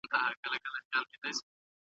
تاسو به له فکري ګډوډۍ څخه خلاصون مومئ.